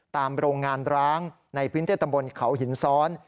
โรงงานร้างในพื้นที่ตำบลเขาหินซ้อน